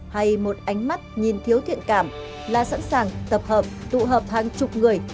hay một ánh mắt nhìn thiếu thiện cảm là sẵn sàng tập hợp tụ hợp hàng chục người